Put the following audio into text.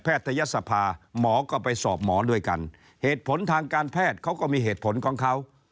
ทยศภาหมอก็ไปสอบหมอด้วยกันเหตุผลทางการแพทย์เขาก็มีเหตุผลของเขา